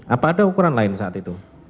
apa ada ukuran lain saat itu